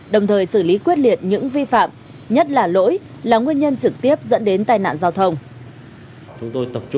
đồng thời xử lý quyết liệt những vi phạm nhất là lỗi là nguyên nhân trực tiếp dẫn đến tai nạn giao thông